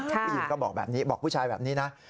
ผู้หญิงก็บอกแบบนี้บอกผู้ชายแบบนี้นะ